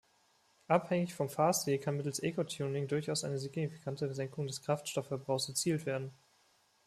Abhängig vom Fahrstil kann mittels Eco-Tuning durchaus eine signifikante Senkung des Kraftstoffverbrauchs erzielt werden.